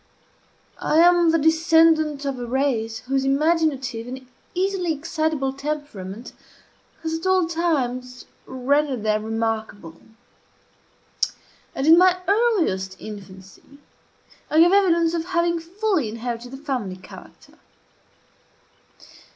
I am the descendant of a race whose imaginative and easily excitable temperament has at all times rendered them remarkable; and, in my earliest infancy, I gave evidence of having fully inherited the family character.